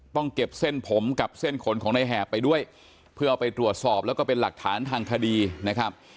ต้องเก็บเส้นผมกับเส้นขนของในแหบไปด้วยเพื่อเอาไปตรวจสอบแล้วก็เป็นหลักฐานทางคดีนะครับ